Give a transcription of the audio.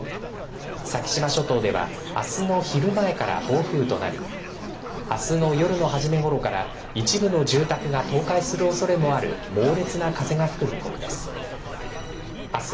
先島諸島ではあすの昼前から暴風となりあすの夜の初めごろから一部の住宅が倒壊するおそれもある猛烈な風が吹く見込みです。